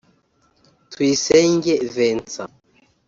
Tuyisenge Vincent